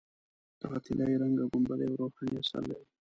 دغه طلایي رنګه ګنبده یو روحاني اثر لري.